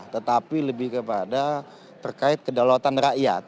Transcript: tetapi lebih kepada terkait kedaulatan rakyat